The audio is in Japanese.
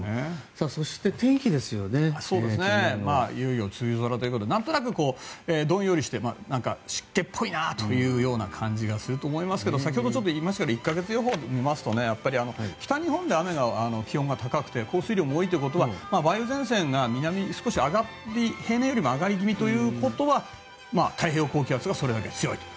いよいよ梅雨空ということでなんとなくどんよりして湿気っぽいなという感じがすると思いますが先ほど言いましたけど１か月予報を見ますと北日本で気温が高くて降水量も多いということは梅雨前線が平年よりも上がり気味ということは太平洋高気圧がそれだけ強いと。